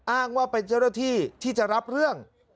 อ้างว่าเป็นเจ้าหน้าที่ที่จะรับเรื่อง